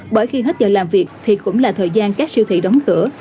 bởi khi hết giờ làm việc thì cũng là thời gian các siêu thị đóng cửa